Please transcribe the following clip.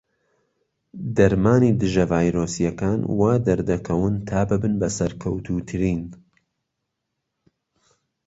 دەرمانی دژە ڤایرۆسیەکان وادەردەکەون تا ببن بە سەرکەوتووترین.